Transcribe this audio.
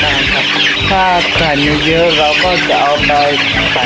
ทำเป็นอาหารกลับหวานได้ครับถ้าแสงเยอะเราก็จะเอาไป